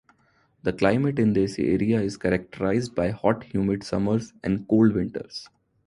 The climate in this area is characterized by hot, humid summers and cold winters.